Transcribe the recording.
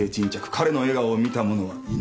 彼の笑顔を見た者はいない。